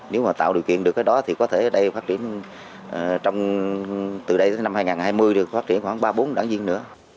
nếu mà tạo điều kiện được cái đó thì có thể ở đây phát triển trong từ đây tới năm hai nghìn hai mươi thì có thể phát triển khoảng ba bốn đảng viên nữa